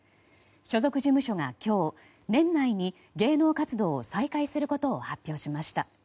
所属事務所は今日年内に芸能活動を再開することを発表しました。